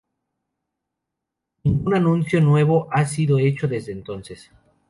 Ningún anuncio nuevo ha sido hecho desde entonces.